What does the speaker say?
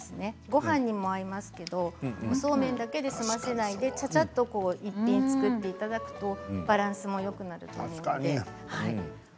ごはんにも合いますけどおそうめんだけで済ませないでちゃちゃっと一品作っていただくとバランスもよくなります。